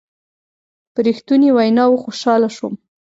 په رښتنوني ویناوو خوشحاله شوم.